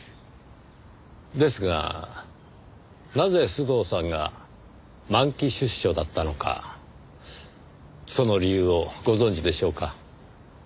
ですがなぜ須藤さんが満期出所だったのかその理由をご存じでしょうか？